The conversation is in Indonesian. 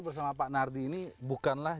bersama pak nardi ini bukanlah